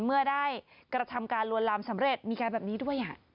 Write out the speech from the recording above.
เมื่อได้กระทำการลวนลามสำเร็จมีการแบบนี้ด้วย